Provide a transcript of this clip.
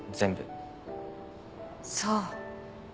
そう。